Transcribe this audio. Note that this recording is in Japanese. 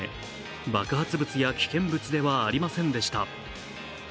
爆発物や危険物ではありませんでした。